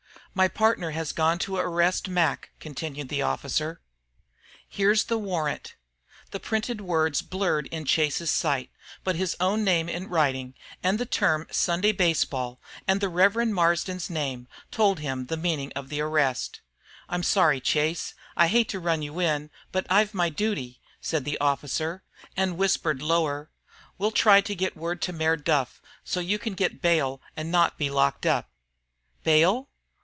"My pardner has gone to arrest Mac," continued the officer. "Here's the warrant." The printed words blurred in Chase's sight, but his own name in writing, and the term "Sunday baseball," and the Rev. Mr. Marsden's name told him the meaning of the arrest. "I'm sorry, Chase. I hate to run you in. But I've my duty," said the officer, and whispered lower, "We'll try to get word to Mayor Duff, so you can get bail and not be locked up." "Bail?